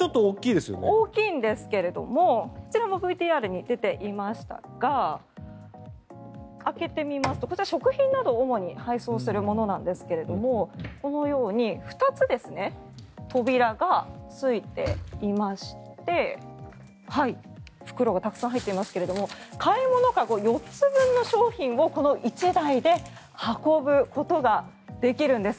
大きいんですがこちらもＶＴＲに出ていましたが開けてみますとこちら、食品などを主に配送するものなんですがこのように２つ扉がついていまして袋がたくさん入っていますが買い物籠４つ分の商品をこの１台で運ぶことができるんです。